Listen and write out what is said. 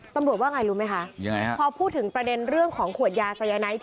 ตำรวจว่าไงรู้ไหมคะยังไงฮะพอพูดถึงประเด็นเรื่องของขวดยาสายไนท์